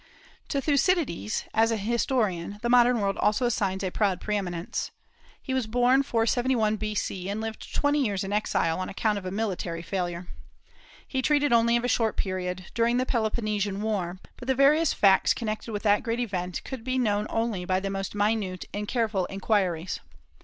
To Thucydides, as an historian, the modern world also assigns a proud pre eminence. He was born 471 B.C., and lived twenty years in exile on account of a military failure. He treated only of a short period, during the Peloponnesian War; but the various facts connected with that great event could be known only by the most minute and careful inquiries.